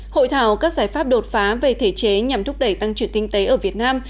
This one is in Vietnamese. hội thảo các giải pháp đột phá về thể chế nhằm thúc đẩy tăng trưởng kinh tế ở việt nam